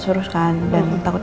sama kok abis turun